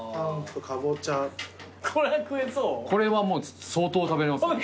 これはもう相当食べれます。